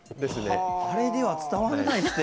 あれでは伝わんないって。